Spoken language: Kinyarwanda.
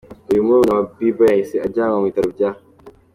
Uyu murumuna wa Bieber yahise ajyanwa mu bitaro bya.